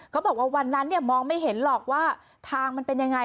เขาบอกว่าวันนั้นเนี่ยมองไม่เห็นหรอกว่าทางมันเป็นยังไง